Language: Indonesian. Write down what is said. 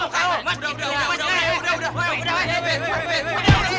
lama banget sih